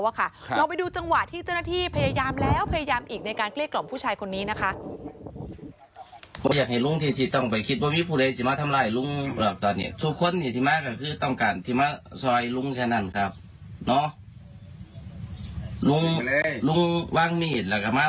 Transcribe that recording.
เราไปดูจังหวะที่เจ้าหน้าที่พยายามแล้วพยายามอีกในการเกลี้กล่อมผู้ชายคนนี้นะคะ